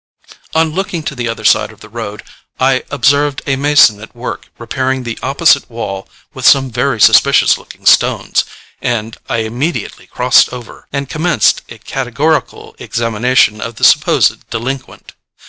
On looking to the other side of the road, I observed a mason at work repairing the opposite wall with some very suspicious looking stones, and I immediately crossed over, and commenced a categorical examination of the supposed delinquent.